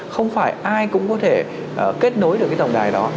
không phải ai cũng có thể kết nối được cái tổng đài đó